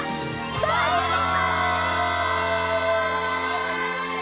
バイバイ！